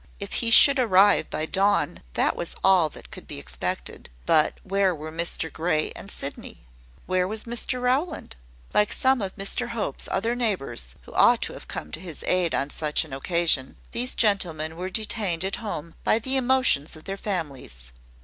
If he should arrive by dawn, that was all that could be expected. But where were Mr Grey and Sydney? Where was Mr Rowland? Like some of Mr Hope's other neighbours, who ought to have come to his aid on such an occasion, these gentlemen were detained at home by the emotions of their families.